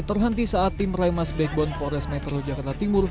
terhenti saat tim remas backbone forest metro jakarta timur